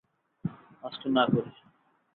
আজকে না করি।